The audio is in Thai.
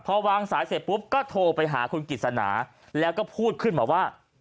พอวางสายเสร็จปุ๊บก็โทรไปหาคุณกิจสนาแล้วก็พูดขึ้นมาว่า